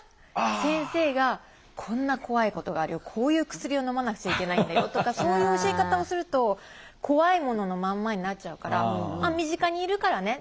先生が「こんな怖いことがあるよ。こういう薬をのまなくちゃいけないんだよ」とかそういう教え方をすると怖いもののまんまになっちゃうから「身近にいるからね。